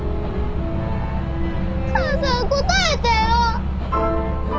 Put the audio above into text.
お母さん答えてよ！